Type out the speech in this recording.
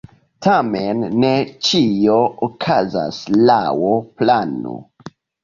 Tamen ne ĉio okazas laŭ plano.